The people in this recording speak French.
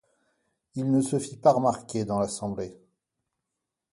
Il ne se fit pas remarquer dans l'Assemblée.